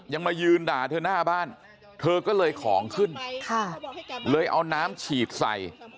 มายืนด่าเธอหน้าบ้านเธอก็เลยของขึ้นเลยเอาน้ำฉีดใส่